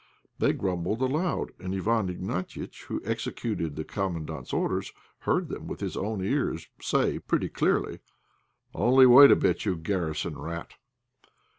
They grumbled aloud, and Iwán Ignatiitch, who executed the Commandant's orders, heard them with his own ears say pretty clearly "Only wait a bit, you garrison rat!"